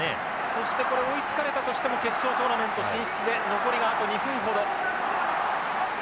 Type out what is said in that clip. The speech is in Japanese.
そしてこれ追いつかれたとしても決勝トーナメント進出で残りがあと２分ほど。